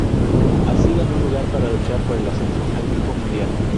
Así ganó un lugar para luchar por el ascenso al Grupo Mundial.